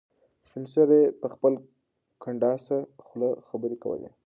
سپین سرې په خپله کنډاسه خوله خبرې کولې.